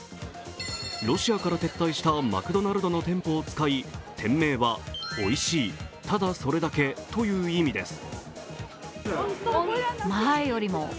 ロシアから撤退したマクドナルドの店舗を使い、店名は「おいしい、ただそれだけ」という意味です。